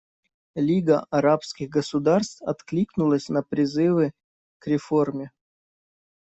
Лига арабских государств откликнулась на призывы к реформе.